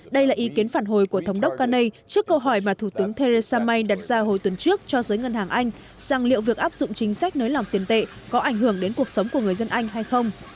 đây là ý kiến phản hồi của thống đốc kanei trước câu hỏi mà thủ tướng theresa may đặt ra hồi tuần trước cho giới ngân hàng anh rằng liệu việc áp dụng chính sách nới lỏng tiền tệ có ảnh hưởng đến cuộc sống của người dân anh hay không